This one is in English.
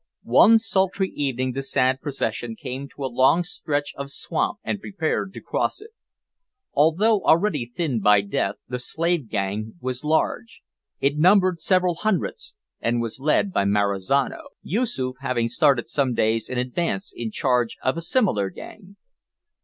One sultry evening the sad procession came to a long stretch of swamp, and prepared to cross it. Although already thinned by death, the slave gang was large. It numbered several hundreds, and was led by Marizano; Yoosoof having started some days in advance in charge of a similar gang.